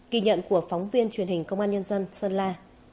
kỳ nhận của phóng viên truyền hình công an nhân dân sơn la